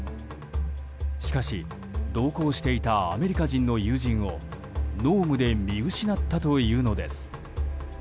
しかし、同行していたアメリカ人の友人を濃霧で見失ったというのです。